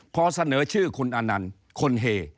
เพราะเสนอชื่อคุณอานันด์คนเห